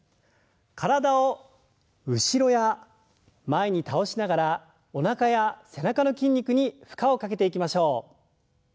体を後ろや前に倒しながらおなかや背中の筋肉に負荷をかけていきましょう。